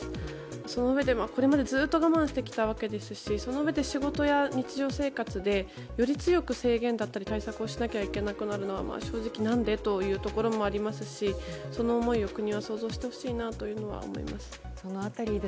そのうえで、これまでずっと我慢してきたわけですしそのうえで仕事や日常生活でより強く制限だったり対策をしなきゃいけなくなるのは正直、何で？というところもありますしその思いを国は想像してほしいなと思います。